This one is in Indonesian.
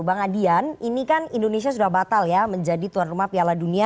bang adian ini kan indonesia sudah batal ya menjadi tuan rumah piala dunia u dua puluh dua ribu dua puluh tiga